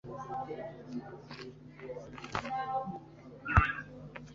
icyumba cyari cyijimye ku buryo nta kintu na kimwe twashoboraga kubona